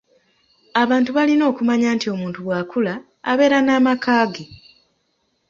"Abantu balina okumanya nti omuntu bw’akula, abeera n’amaka ge."